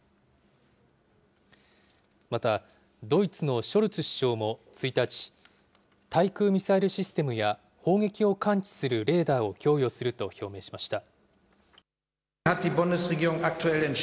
またドイツのショルツ首相も１日、対空ミサイルシステムや、砲撃を感知するレーダーを供与すると表明しました。